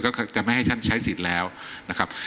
ก็จะไม่ให้ท่านใช้สิทธิ์แล้วนะครับ